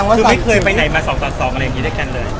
คือไม่เคยไปไหนมา๒ต่อ๒อะไรอย่างนี้ด้วยกันเลย